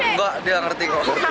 enggak dia ngerti kok